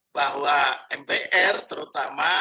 bahwa mpr terutama